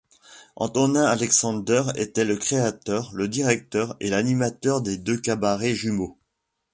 Antonin Alexander était le créateur, le directeur et l'animateur des deux cabarets jumeaux.